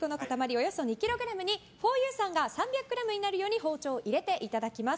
およそ２ｋｇにふぉゆさんが３００ｇになるように包丁を入れていただきます。